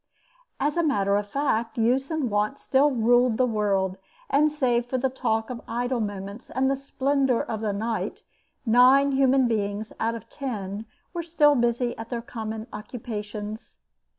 As a matter of fact, use and wont still ruled the world, and save for the talk of idle moments and the splendour of the night, nine human beings out of ten were still busy at their common occupations.